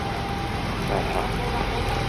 Kerheɣ-k.